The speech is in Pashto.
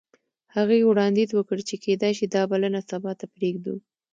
هغې وړاندیز وکړ چې کیدای شي دا بلنه سبا ته پریږدو